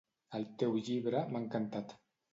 El teu llibre m'ha encantat.